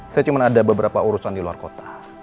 saya cuma ada beberapa urusan di luar kota